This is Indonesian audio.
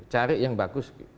cari yang bagus